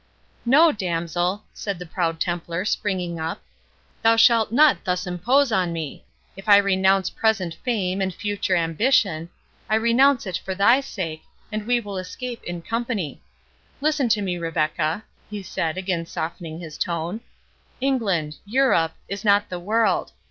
"No, damsel!" said the proud Templar, springing up, "thou shalt not thus impose on me—if I renounce present fame and future ambition, I renounce it for thy sake, and we will escape in company. Listen to me, Rebecca," he said, again softening his tone; "England,—Europe,—is not the world.